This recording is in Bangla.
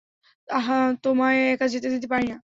আহ, তোমায় একা যেতে দিতে পারি না।